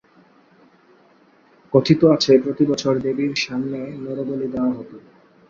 কথিত আছে, প্রতি বছর দেবীর সামনে নরবলি দেওয়া হত।